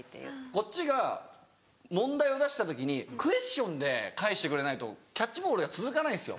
こっちが問題を出した時にクエスチョンで返してくれないとキャッチボールが続かないんですよ。